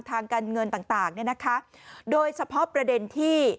ทางการเงินต่างต่างเนี่ยนะคะโดยเฉพาะประเด็นที่